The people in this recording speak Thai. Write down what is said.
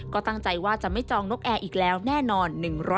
ก็ตั้งใจว่าจะไม่จองนกแอร์อีกแล้วแน่นอน